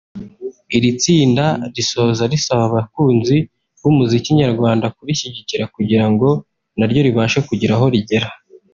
Iri tsinda risoza risaba abakunzi b’umuziki nyarwanda kurishyigikira kugirango naryo ribashe kugira aho rigera